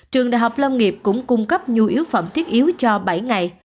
trường đại học lâm nghiệp cũng cung cấp nhu yếu phẩm thiết yếu cho bảy ngày